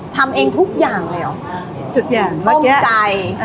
ทำเองทุกอย่างเลยเหรอทุกอย่างต้องใจ